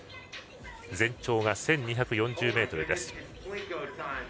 全長が１２４０ｍです。